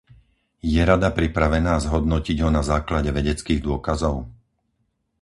Je Rada pripravená zhodnotiť ho na základe vedeckých dôkazov?